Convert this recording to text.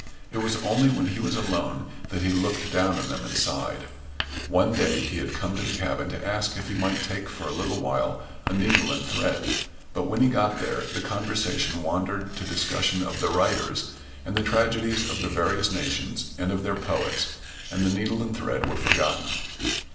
It was only when he was alone that he looked down on them and sighed. One day he had come to the cabin to ask if he might take for a little while a needle and thread, but when he got there, the conversation wandered to discussion of the writers and the tragedies of the various nations and of their poets, and the needle and thread were forgotten.